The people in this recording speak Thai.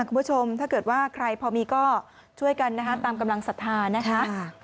คุณผู้ชมถ้าเกิดว่าใครพอมีก็ช่วยกันนะคะตามกำลังศรัทธานะคะ